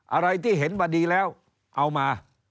อะไรที่เห็นมาดีแล้วเอามา